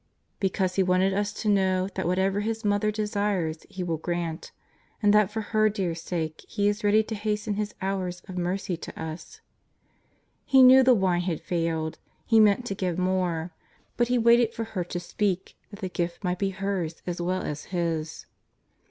Because He wanted us to know that whatever His Mother desires He will grant, and that for her dear sake He is ready to hasten His hours of mercy to us. He knew the wine had failed. He meant to give more, but He waited for her to speak that the gift might be hers as well as His.